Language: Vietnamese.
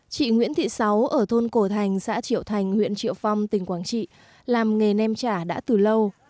chị nguyễn thị sáu ở thôn cổ thành xã triệu thành huyện triệu phong tỉnh quảng trị làm nghề nem trả đã từ lâu